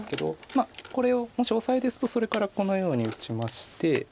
まあこれをもしオサエですとそれからこのように打ちまして。